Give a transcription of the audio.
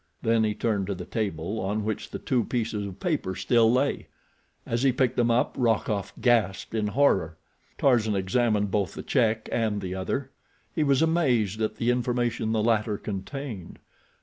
Then he turned to the table, on which the two pieces of paper still lay. As he picked them up Rokoff gasped in horror. Tarzan examined both the check and the other. He was amazed at the information the latter contained.